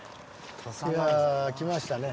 いやあ来ましたね。